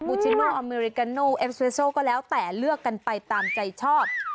บูชิโน้ลอเมริกาโน้ลเอ็มสเปชโชคก็แล้วแต่เลือกกันไปตามใจชอบ